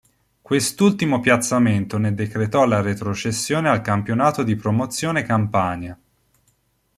Quest'ultimo piazzamento ne decretò la retrocessione al campionato di Promozione Campania.